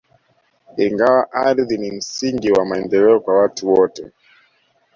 Ingawa ardhi ni msingi wa maendeleo kwa watu wote